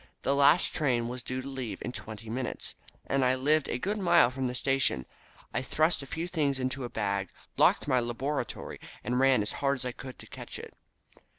The last train was due to leave in twenty minutes, and I lived a good mile from the station, I thrust a few things into a bag, locked my laboratory, and ran as hard as I could to catch it.